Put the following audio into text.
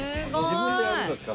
自分でやるんですか？